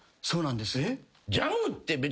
そうなんです。